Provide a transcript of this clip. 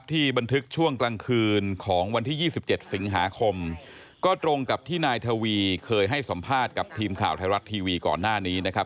บันทึกช่วงกลางคืนของวันที่๒๗สิงหาคมก็ตรงกับที่นายทวีเคยให้สัมภาษณ์กับทีมข่าวไทยรัฐทีวีก่อนหน้านี้นะครับ